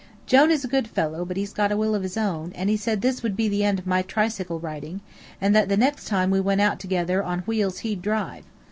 Jone is a good fellow, but he's got a will of his own, and he said that this would be the end of my tricycle riding, and that the next time we went out together on wheels he'd drive.